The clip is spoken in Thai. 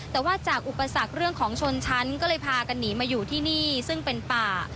แต่ว่าจากอุปสรรคเรื่องของชนชั้นก็เลยพากันหนีมาอยู่ที่นี่ซึ่งเป็นป่า